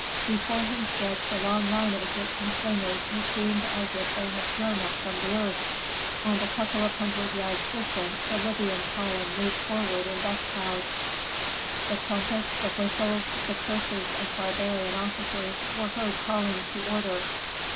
Before him stretched a long line of Egyptian slingers who seemed as if they had grown up from the earth, and a couple of hundred yards distant the Libyan column moving forward in dust clouds. The trumpets, the whistles, the curses of barbarian officers were heard calling to order.